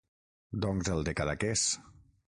Doncs el de Cadaqués!